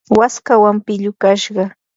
waskawan pillukashqa.